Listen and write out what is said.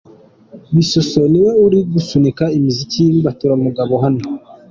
Bissosso niwe uri gusunika imiziki y'imbaturamugabo hano.